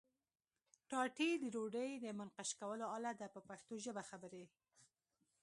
ټاټې د ډوډۍ د منقش کولو آله ده په پښتو ژبه خبرې.